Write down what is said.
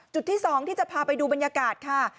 จุดที่๒ที่จะพาไปดูบรรยากาศค่ะ